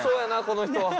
この人は。